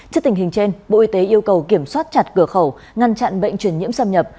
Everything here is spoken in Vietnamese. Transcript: trước tình hình trên bộ y tế yêu cầu kiểm soát chặt cửa khẩu ngăn chặn bệnh truyền nhiễm xâm nhập